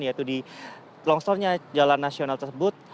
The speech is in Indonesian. yaitu di longsornya jalan nasional tersebut